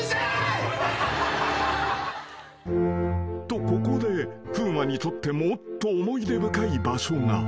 ［とここで風磨にとってもっと思い出深い場所が］